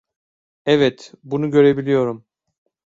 Evet, bunu görebiliyorum.